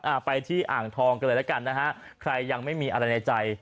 อ่าไปที่อ่างทองกันเลยแล้วกันนะฮะใครยังไม่มีอะไรในใจ